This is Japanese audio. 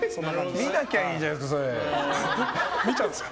見なきゃいいじゃないですか。